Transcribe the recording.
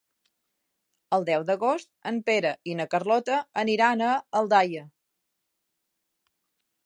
El deu d'agost en Pere i na Carlota aniran a Aldaia.